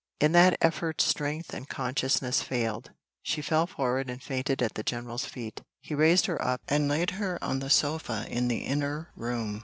In that effort strength and consciousness failed she fell forward and fainted at the general's feet. He raised her up, and laid her on the sofa in the inner room.